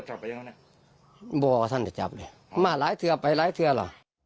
บอกว่าท่านจะจับเลยมาหลายเทือไปหลายเทือหรอ